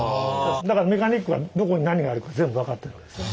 だからメカニックはどこに何があるか全部分かってるんですよ。